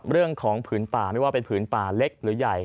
ผืนป่าไม่ว่าเป็นผืนป่าเล็กหรือใหญ่